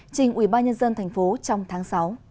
trên ubnd tp hcm trong tháng sáu